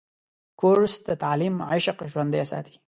کورس د تعلیم عشق ژوندی ساتي.